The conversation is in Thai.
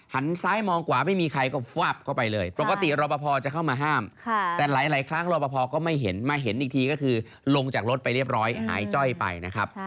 ซ้ายมองขวาไม่มีใครก็ฟับเข้าไปเลยปกติรอปภจะเข้ามาห้ามแต่หลายครั้งรอปภก็ไม่เห็นมาเห็นอีกทีก็คือลงจากรถไปเรียบร้อยหายจ้อยไปนะครับ